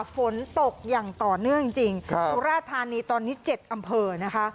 ฝนตกอย่างต่อเนื่องจริงจริงครับราธานีตอนนี้เจ็ดอำเภอนะคะ